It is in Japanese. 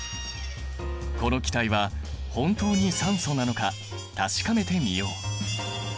この気体は本当に酸素なのか確かめてみよう。